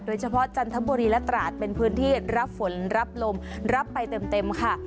โดยเฉพาะจันทบุรีและตราสเป็นพื้นที่รับฝนรับลมรับไปเต็มเต็มค่ะ